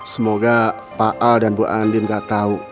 semoga pak al dan bu andin gak tahu